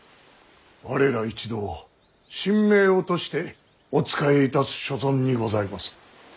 我ら一同身命を賭してお仕えいたす所存にございます。